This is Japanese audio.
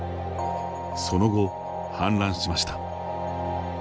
その後、氾濫しました。